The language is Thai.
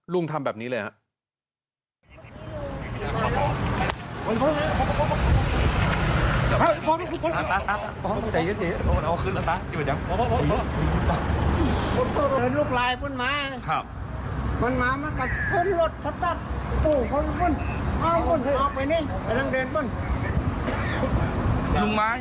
ลุงทำแบบนี้เลยอะ